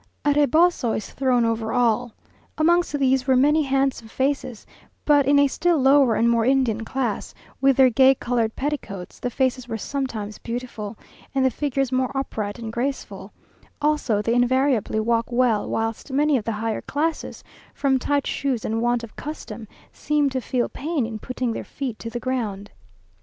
A reboso is thrown over all. Amongst these were many handsome faces, but in a still lower and more Indian class, with their gay coloured petticoats, the faces were sometimes beautiful, and the figures more upright and graceful; also they invariably walk well whilst many of the higher classes, from tight shoes and want of custom, seem to feel pain in putting their feet to the ground.